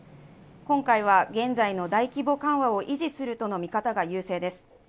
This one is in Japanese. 今回は現在の大規模緩和を維持するとの見方が優勢です。